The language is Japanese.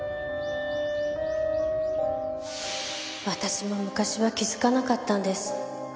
私も昔は気づかなかったんです。